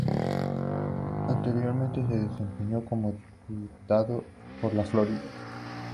Anteriormente se desempeñó como diputado por La Florida.